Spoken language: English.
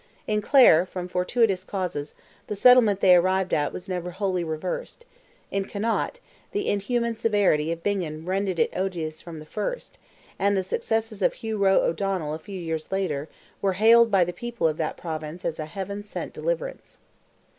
In Clare, from fortuitous causes, the settlement they arrived at was never wholly reversed; in Connaught, the inhuman severity of Bingham rendered it odious from the first, and the successes of Hugh Roe O'Donnell, a few years later, were hailed by the people of that province as a heaven sent deliverance.